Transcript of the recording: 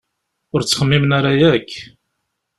Ur ttxemmimen ara akk!